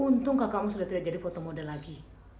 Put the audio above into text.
untung kakakmu sudah tidak jadi foto mode lagi